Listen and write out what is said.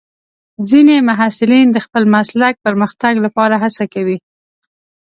ځینې محصلین د خپل مسلک پرمختګ لپاره هڅه کوي.